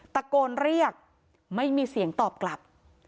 ตะโกนเรียกไม่มีเสียงตอบกลับ